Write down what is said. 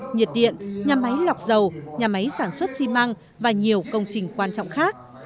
nhiệt điện nhà máy lọc dầu nhà máy sản xuất xi măng và nhiều công trình quan trọng khác